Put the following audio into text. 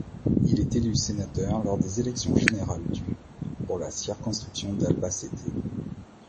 Il est élu sénateur lors des élections générales du pour la circonscription d'Albacete.